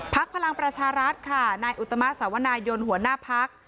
พลังประชารัฐค่ะนายอุตมะสาวนายนหัวหน้าพัก